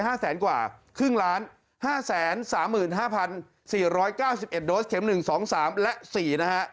ชีพไป๕แสนกว่าครึ่งล้าน๕๓๕๔๙๑โดสเข็ม๑๒๓และ๔นะฮะ